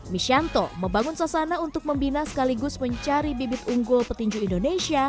mishanto membangun sasana untuk membina sekaligus mencari bibit unggul petinju indonesia